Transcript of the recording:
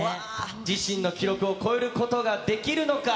自身の記録を超えることができるのか。